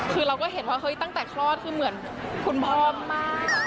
คือเราก็เห็นว่าเฮ้ยตั้งแต่คลอดคือเหมือนคุณพ่อมาก